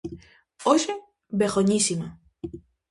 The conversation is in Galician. Hoxe, "Begoñísima".